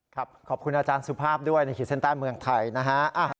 ขอบคุณอาจารย์สุภาพด้วยในขีดเส้นใต้เมืองไทยนะฮะ